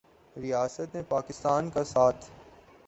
ریاست نے پاکستان کا ساتھ